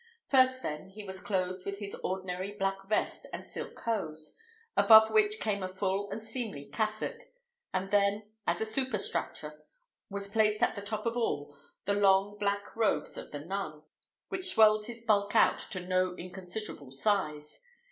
First, then, he was clothed with his ordinary black vest and silk hose, above which came a full and seemly cassock; and then, as a superstructure, was placed at the top of all the long black robes of the nun, which swelled his bulk out to no inconsiderable size.